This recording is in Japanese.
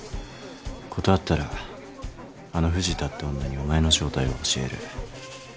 断ったらあの藤田って女にお前の正体を教える。